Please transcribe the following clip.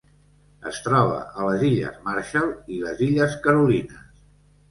Es troba a les Illes Marshall i les Illes Carolines.